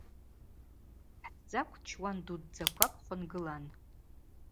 Хӏтдзакв чуан дудздзаквакӏ хвынгылан.